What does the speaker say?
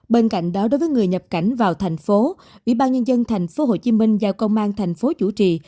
bên cạnh đó đối với người nhập cảnh vào thành phố ủy ban nhân dân thành phố hồ chí minh giao công an thành phố chủ trì